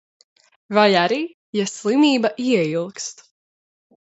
Vai arī, ja slimība ieilgst.